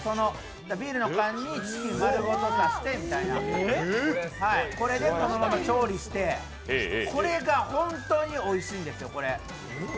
ビールの缶にチキン丸ごとさしてみたいなこれで調理して、これが本当においしいんですよ。